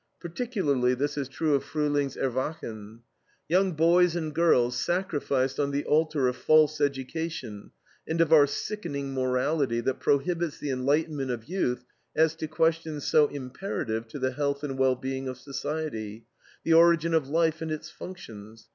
Particularly this is true of FRUHLING'S ERWACHEN. Young boys and girls sacrificed on the altar of false education and of our sickening morality that prohibits the enlightenment of youth as to questions so imperative to the health and well being of society, the origin of life, and its functions.